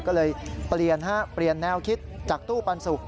ก็เลยเปลี่ยนแนวคิดจากตู้ปันสุก